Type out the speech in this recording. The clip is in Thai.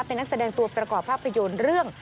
เป็นนักแสดงตัวประกอบภาพยนตร์เรื่อง